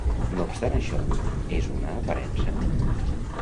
No obstant això, és una aparença?